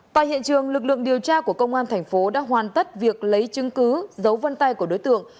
tại hiện trường lực lượng điều tra của công an thành phố đã hoàn tất việc lấy chứng cứ dấu vân tay của đối tượng